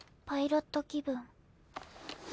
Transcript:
パイロット気分。